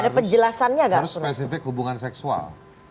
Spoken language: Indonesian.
ada penjelasannya harus spesifik hubungan seksual